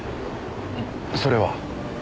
それは？